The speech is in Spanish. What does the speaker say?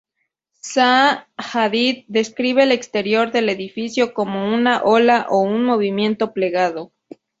Zaha Hadid describe el exterior del edificio como una ola o un movimiento plegado.